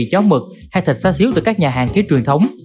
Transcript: cháo mực hay thịt xa xíu từ các nhà hàng kế truyền thống